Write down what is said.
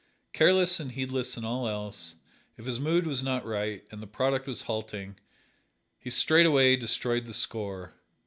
Careless and heedless in all else, if his mood was not right and the product was halting, he straightway destroyed the score.